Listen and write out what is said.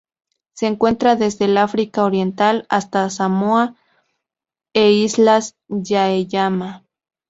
Se encuentra desde el África Oriental hasta Samoa e Islas Yaeyama.